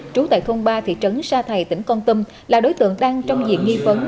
trú tại thôn ba thị trấn sa thầy tỉnh con tâm là đối tượng đang trong diện nghi vấn